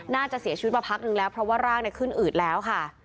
น่าจะเสียชีวิตมาพักนึงแล้วเพราะว่าร่างขึ้นอืดแล้วค่ะ